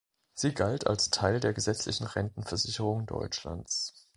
Sie galt als Teil der gesetzlichen Rentenversicherung Deutschlands.